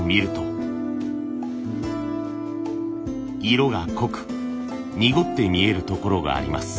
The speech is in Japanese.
色が濃く濁って見える所があります。